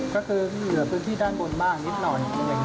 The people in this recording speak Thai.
ก็คือเหนือพื้นที่ด้านบนมากนิดหน่อย